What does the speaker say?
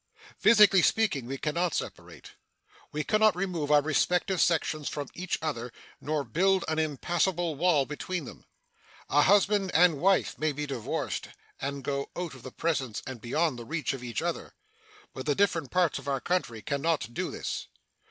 Physically speaking, we can not separate. We can not remove our respective sections from each other nor build an impassable wall between them. A husband and wife may be divorced and go out of the presence and beyond the reach of each other, but the different parts of our country can not do this.